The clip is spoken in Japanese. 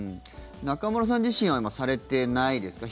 中丸さん自身はされてないですか？